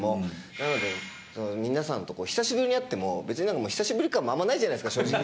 なので皆さんと久しぶりに会っても別に何か久しぶり感もあんまないじゃないですか正直。